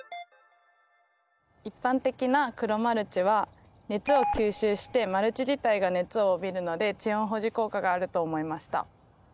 一般的な黒マルチは熱を吸収してマルチ自体が熱を帯びるので地温保持効果があると思いました。